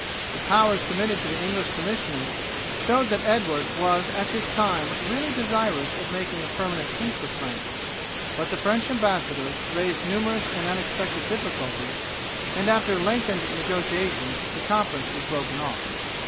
The powers committed to the English commissioners show that Edward was at this time really desirous of making a permanent peace with France; but the French ambassadors raised numerous and unexpected difficulties, and after lengthened negotiations the conference was broken off.